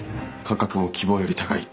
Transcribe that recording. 価格も希望より高い。